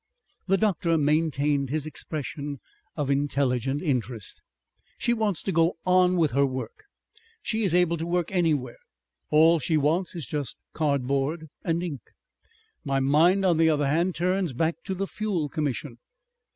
The doctor maintained his expression of intelligent interest. "She wants to go on with her work. She is able to work anywhere. All she wants is just cardboard and ink. My mind on the other hand turns back to the Fuel Commission...."